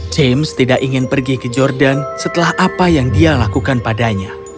james tidak ingin pergi ke jordan setelah apa yang dia lakukan padanya